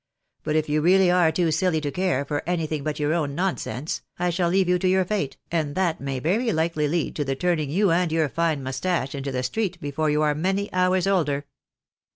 . But if you really are too silly PAPA O'DONAGOUGH CONCILIATED. 9 to care for anything but your own nonsense, I shall leave you to your fate, and that may very likely lead to the turning you and your fine mustache into the street before you are many hours older."